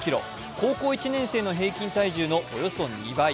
高校１年生の平均体重のおよそ２倍。